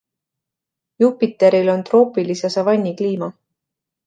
Jupiteril on troopilise savanni kliima.